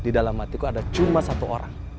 di dalam hatiku ada cuma satu orang